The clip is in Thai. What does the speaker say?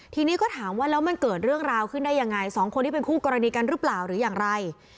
ทีนี้ก็ถามว่าแล้วมันเกิดเรื่องราวขึ้นได้ยังไงสองคนที่เป็นคู่กรณีกันหรือเปล่าหรืออย่างไร